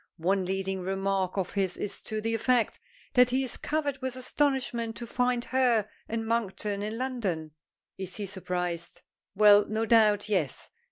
One leading remark of his is to the effect that he is covered with astonishment to find her and Monkton in London. Is he surprised. Well, no doubt, yes.